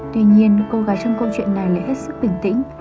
tuy nhiên cô gái trong câu chuyện này lại hết sức bình tĩnh